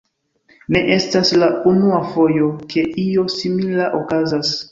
Ne estas la unua fojo, ke io simila okazas.